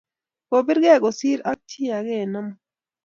Kibirke kosir ak chi ake eng amut